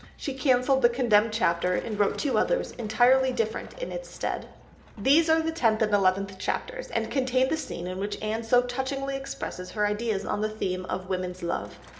She cancelled the condemned chapter and wrote two others, entirely different, in its stead." These were the tenth and eleventh chapters, and contained the scene in which Anne so touchingly expresses her ideas on the theme of woman's love.